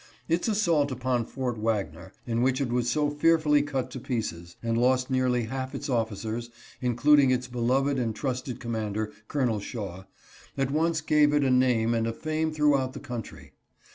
Its assault upon Fort Wagner, in which it was so fearfully cut to pieces, and lost nearly half its officers, including its beloved and trusted commander, Col. Shaw, at once gave it a name and a fame throughout the country.